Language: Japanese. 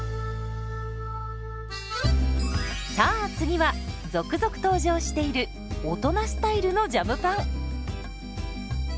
さあ次は続々登場している大人スタイルのジャムパン。